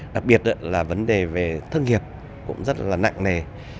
đặc biệt là vấn đề về thất nghiệp cũng rất là nặng nề